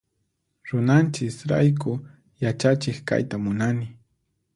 Runanchis rayku yachachiq kayta munani.